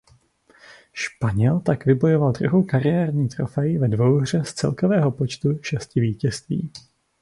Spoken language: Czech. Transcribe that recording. Španěl tak vybojoval druhou kariérní trofej ve dvouhře z celkového počtu šesti vítězství.